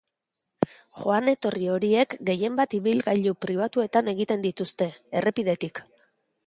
Joan-etorri horiek gehienbat ibilgailu pribatuan egiten dituzte, errepidetik.